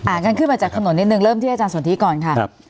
งั้นขึ้นมาจากถนนนิดนึงเริ่มที่อาจารย์สนทิก่อนค่ะ